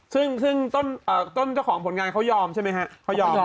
ซึ่งต้นเจ้าของผลงานเขายอมใช่ไหมคะ